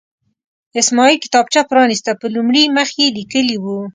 اسماعیل کتابچه پرانسته، په لومړي مخ یې لیکلي وو.